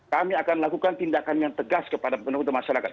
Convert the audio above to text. kami akan melakukan tindakan yang tegas kepada masyarakat